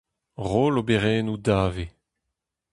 Roll oberennoù dave.